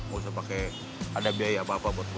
gak usah pakai ada biaya apa apa buat lo